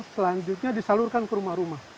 selanjutnya disalurkan ke rumah rumah